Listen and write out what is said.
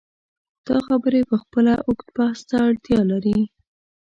دا خبرې پخپله اوږد بحث ته اړتیا لري.